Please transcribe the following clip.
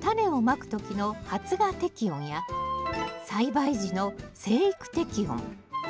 タネをまく時の発芽適温や栽培時の生育適温。